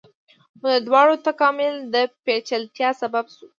خو د دواړو تکامل د پیچلتیا سبب شو.